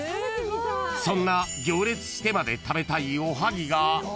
［そんな行列してまで食べたいおはぎがこちら］